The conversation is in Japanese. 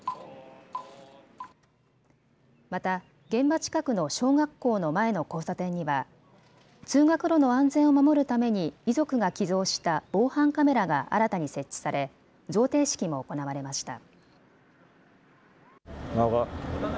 また、現場近くの小学校の前の交差点には、通学路の安全を守るために遺族が寄贈した防犯カメラが新たに設置され、贈呈式も行われました。